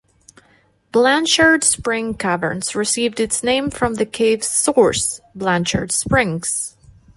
Blanchard Springs Caverns received its name from the cave's source, Blanchard Springs.